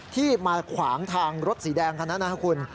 ที่มาขวางทางรถสีแดงค่ะนะฮะคุณ